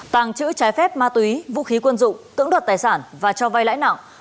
tàng trữ trái phép ma túy vũ khí quân dụng cưỡng đoạt tài sản và cho vay lãi nặng